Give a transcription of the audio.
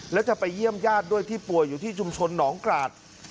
แล้วจะไปเยี่ยมญาติด้วยที่ป่วยอยู่ที่ชุมชนหนองกราศ